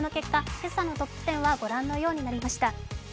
今朝のトップ１０はご覧のようになりました。